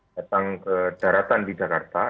datang ke daratan di jakarta